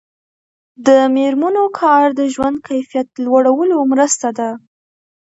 د میرمنو کار د ژوند کیفیت لوړولو مرسته ده.